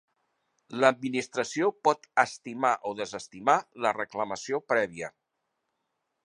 L'Administració pot estimar o desestimar la reclamació prèvia.